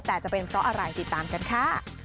แต่จะเป็นเพราะอะไรติดตามกันค่ะ